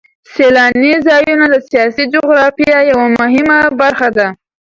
سیلاني ځایونه د سیاسي جغرافیه یوه مهمه برخه ده.